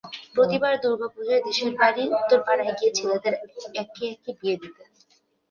প্রতিবার দুর্গাপুজায় দেশের বাড়ি উত্তরপাড়ায় গিয়ে ছেলেদের একে একে বিয়ে দিতেন।